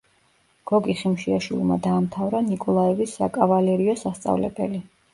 გოგი ხიმშიაშვილმა დაამთავრა ნიკოლაევის საკავალერიო სასწავლებელი.